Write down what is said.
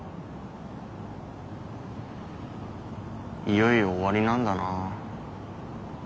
いよいよ終わりなんだな。